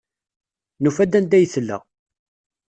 Nufa-d anda ay tella.